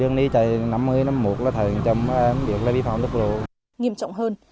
nghiêm trọng hơn